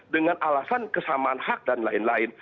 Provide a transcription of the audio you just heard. dengan alasan kesamaan hak dan lain lain